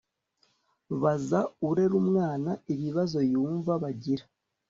baza urera umwana ibibazo yumva bagira